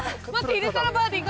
入れたらバーディー。